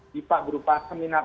bipa berupa seminar